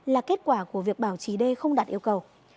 là kết quả của việc bảo trì đê không đạt yêu cầu